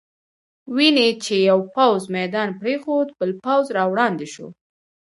وینې چې یو پوځ میدان پرېښود، بل پوځ را وړاندې شو.